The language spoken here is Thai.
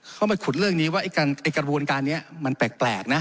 เขามาขุดเรื่องนี้ว่ากระบวนการนี้มันแปลกนะ